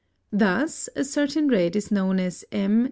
Thus a certain red is known as M.